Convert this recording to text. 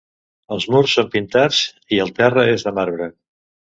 Els murs són pintats i el terra és de marbre.